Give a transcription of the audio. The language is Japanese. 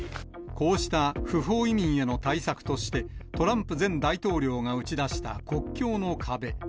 こうした不法移民への対策として、トランプ前大統領が打ち出した国境の壁。